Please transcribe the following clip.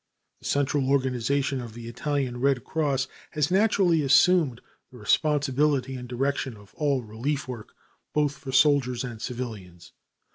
The central organization of the Italian Red Cross has naturally assumed the responsibility and direction of all relief work, both for soldiers and civilians.